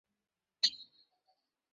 শুধু এই কাঁথাটাই অবশিষ্ট আছে এখন?